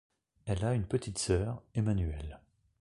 Elle a une petite-sœur, Emmanuelle.